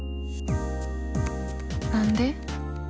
何で？